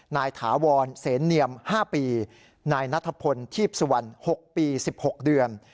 นายถาวรเศรษฐ์เนียม๕ปีนายนัทพลทีพสวรรค์๖ปี๑๖เดือน